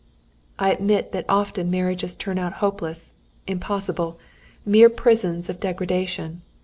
"I admit that often marriages turn out hopeless impossible; mere prisons of degradation.